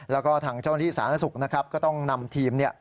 แล้วก็ทางเจ้าหน้าที่สานสุขก็ต้องนำทีม